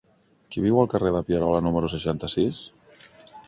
Qui viu al carrer de Pierola número seixanta-sis?